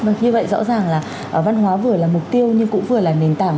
vâng như vậy rõ ràng là văn hóa vừa là mục tiêu nhưng cũng vừa là nền tảng